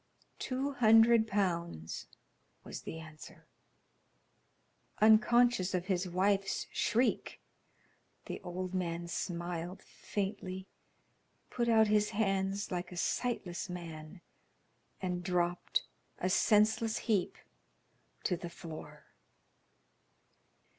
"Two hundred pounds," was the answer. Unconscious of his wife's shriek, the old man smiled faintly, put out his hands like a sightless man, and dropped, a senseless heap, to the floor.